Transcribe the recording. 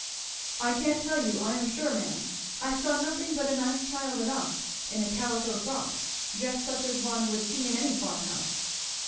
"I can't tell you, I am sure, ma'am. I saw nothing but a nice child enough in a calico frock, just such as one would see in any farm house.